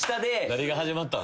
何が始まったん？